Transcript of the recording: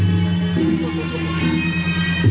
สุดท้ายสุดท้ายสุดท้าย